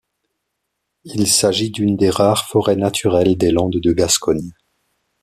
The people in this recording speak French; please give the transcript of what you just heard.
Il s'agit d'une des rares forêts naturelles des Landes de Gascogne.